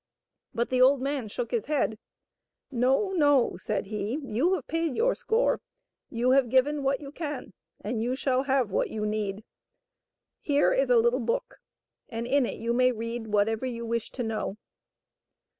But the old man shook his head. " No, no," said he, " you have paid your score. You have given what you can, and you shall have what you need. Here is a little book, and in it you may read whatever you wish to know.